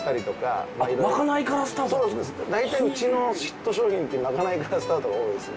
だいたいうちのヒット商品ってまかないからスタートが多いです。